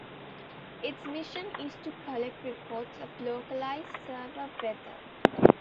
Its mission is to collect reports of localized severe weather.